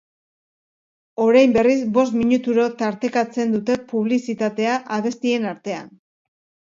Orain, berriz, bost minuturo tartekatzen dute publizitatea, abestien artean.